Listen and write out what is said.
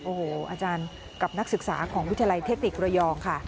โอ้โหอาจารย์กับนักศึกษาของวิทยาลัยเทคนิคระยองค่ะ